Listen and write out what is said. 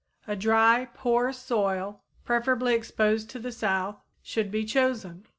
A dry, poor soil, preferably exposed to the south, should be chosen.